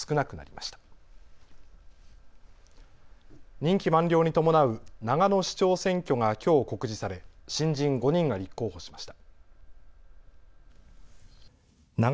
任期満了に伴う長野市長選挙がきょう告示され、新人５人が立候補しました。